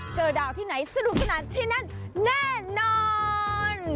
เจอดาวที่ไหนสนุกสนานที่นั่นแน่นอน